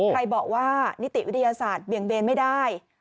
ใครบอกว่านิติวิทยาศาสตร์เบี่ยงเบนไม่ได้